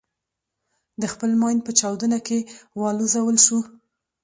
د خپل ماین په چاودنه کې والوزول شو.